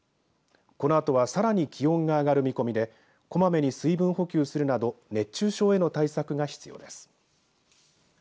このあとはさらに気温が上がる見込みでこまめに水分補給するなど熱中症への対策が必要です。